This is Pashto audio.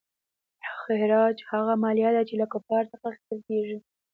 خراج هغه مالیه ده چې له کفارو څخه اخیستل کیږي.